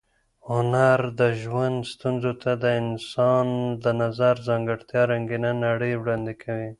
هنر د ژوند ستونزو ته د انسان د نظر ځانګړې رنګینه نړۍ وړاندې کوي.